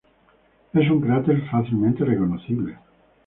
Es un cráter fácilmente reconocible.